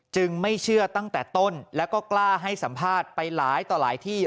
ไม่เชื่อตั้งแต่ต้นแล้วก็กล้าให้สัมภาษณ์ไปหลายต่อหลายที่